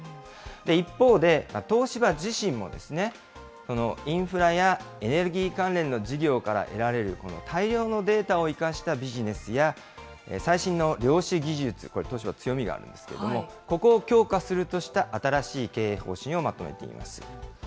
一方で東芝自身もインフラやエネルギー関連の事業から得られるこの大量のデータを生かしたビジネスや、最新の量子技術、これ、東芝、強みがあるんですけれども、ここを強化するとした新しい経営方針をまとめています。